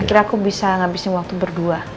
akhirnya aku bisa ngabisin waktu berdua